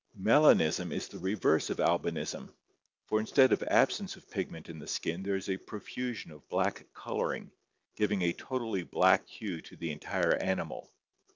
Melanism is the reverse of albinism, for instead of absence of pigment in the skin there is a profusion of black coloring, giving a totally black hue to the entire animal.